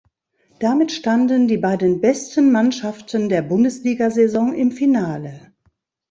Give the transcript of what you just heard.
Damit standen die beiden besten Mannschaften der Bundesliga-Saison im Finale.